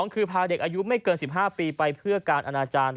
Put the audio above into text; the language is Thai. คือพาเด็กอายุไม่เกิน๑๕ปีไปเพื่อการอนาจารย์